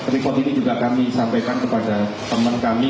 report ini juga kami sampaikan kepada teman kami